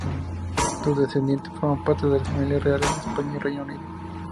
Sus descendientes forman parte de las familias reales de España y Reino Unido.